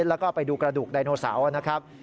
แล้วก็ไปดูกระดูกไดโนเสาร์นะครับ